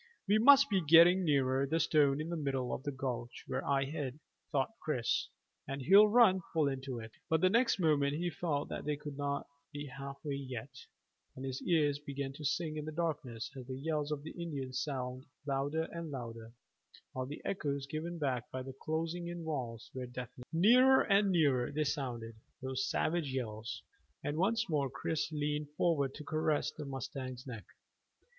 "We must be getting nearer the stone in the middle of the gulch where I hid," thought Chris, "and he'll run full into it." But the next moment he felt that they could not be half way yet, and his ears began to sing in the darkness as the yells of the Indians sounded louder and louder, while the echoes given back by the closing in walls were deafening. Nearer and nearer they sounded those savage yells and once more Chris leaned forward to caress the mustang's neck.